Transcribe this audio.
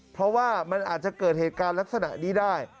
เพราะว่ามันอาจจะเกิดเหตุการณ์ลักษณะนี้ได้